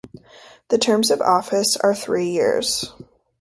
The terms of office are three years.